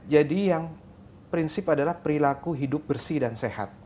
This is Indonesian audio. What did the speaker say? jadi yang prinsip adalah perilaku hidup bersih dan sehat